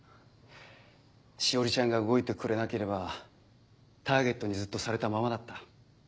詩織ちゃんが動いてくれなければターゲットにずっとされたままだった。